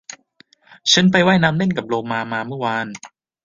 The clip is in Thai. ฉันไปว่ายน้ำเล่นกับโลมามาเมื่อวาน